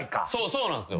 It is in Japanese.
そうなんすよ。